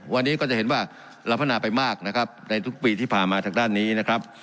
วันนี้ก็จะเห็นว่าเราพัฒนาไปมากนะครับในทุกปีที่ผ่านมาทางด้านนี้นะครับ